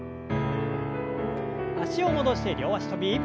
脚を戻して両脚跳び。